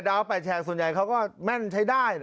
๘แฉกส่วนใหญ่เขาก็แม่นใช้ได้